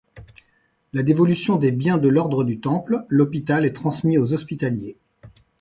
La dévolution des biens de l'ordre du Temple, l'hôpital est transmis aux Hospitaliers.